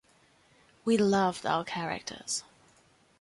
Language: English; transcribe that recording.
We loved our characters.